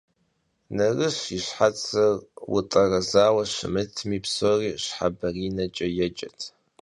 Nerıs yi şhetsır vut'erezaue şımıtmi psori şhebarineç'e yêcet.